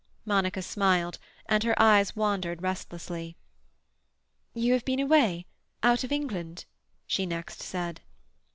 Monica smiled, and her eyes wandered restlessly. "You have been away—out of England?" she next said.